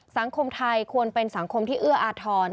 สังคมไทยควรเป็นสังคมที่เอื้ออาทร